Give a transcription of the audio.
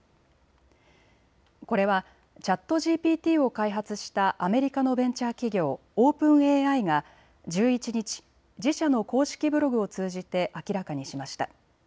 これはＣｈａｔＧＰＴを開発したアメリカのベンチャー企業、オープンＡＩが１１日、自社の公式ブログを通じて明らかにしました。